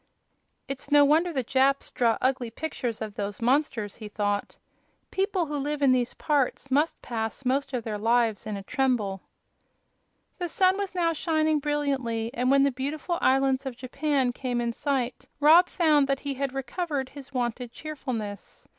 "It's no wonder the Japs draw ugly pictures of those monsters," he thought. "People who live in these parts must pass most of their lives in a tremble." The sun was now shining brilliantly, and when the beautiful islands of Japan came in sight Rob found that he had recovered his wonted cheerfulness.